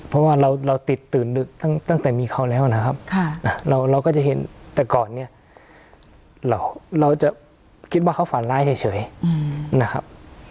เพราะว่าเราติดตื่นดึกตั้งแต่มีเขาแล้วนะครับเราก็จะเห็นแต่ก่อนเนี่ยเราจะคิดว่าเขาฝันร้ายเฉยนะครับ